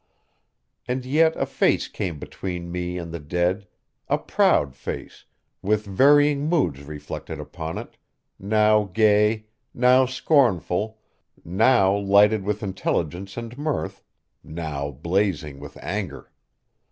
And yet a face came between me and the dead a proud face, with varying moods reflected upon it, now gay, now scornful, now lighted with intelligence and mirth, now blazing with anger.